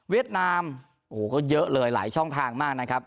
นามโอ้โหก็เยอะเลยหลายช่องทางมากนะครับ